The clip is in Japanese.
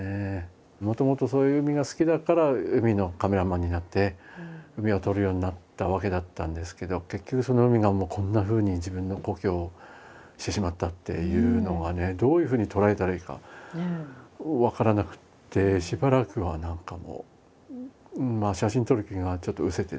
もともとそういう海が好きだから海のカメラマンになって海を撮るようになったわけだったんですけど結局その海がこんなふうに自分の故郷をしてしまったっていうのがねどういうふうに捉えたらいいか分からなくてしばらくは何かもう写真を撮る気がちょっとうせてね。